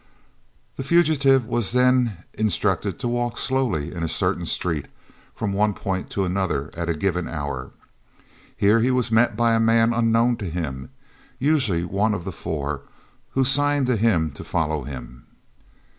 The fugitive was then instructed to walk slowly in a certain street, from one point to another at a given hour. Here he was met by a man unknown to him, usually one of the four, who signed to him to follow him.